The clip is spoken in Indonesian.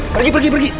pergi pergi pergi